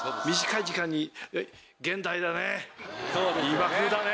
今風だね。